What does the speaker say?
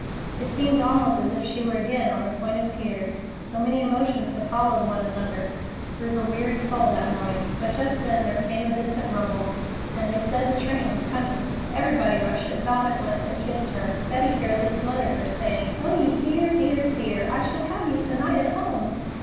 It seemed almost as if she were again on the point of tears, so many emotions had followed one another through her weary soul that morning; but just then there came a distant rumble, and they said the train was coming. Everybody rushed at Dawn at once and kissed her. Betty fairly smothered her, saying: "Oh, you dear, dear, dear! I shall have you to night at home!"